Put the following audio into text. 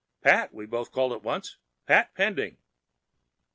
"Pat!" we both cried at once. "Pat Pending!"